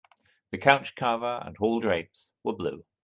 The couch cover and hall drapes were blue.